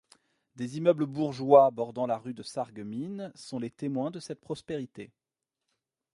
Des immeubles bourgeois bordant la rue de Sarreguemines sont les témoins de cette prospérité.